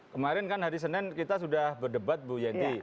kemarin kan hari senin kita sudah berdebat bu yenty